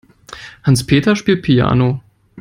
Hans-Peter spielt Piano.